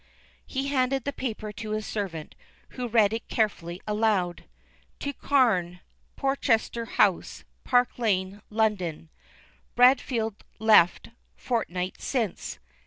He handed the paper to his servant, who read it carefully aloud: To CARNE, Portchester House, Park Lane, London. Bradfield left fortnight since.